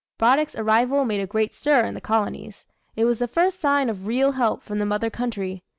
Braddock's arrival made a great stir in the colonies. It was the first sign of real help from the Mother Country.